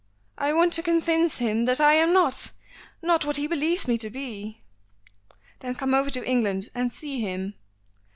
I want to convince him that I am not not what he believes me to be." "Then come over to England and see him."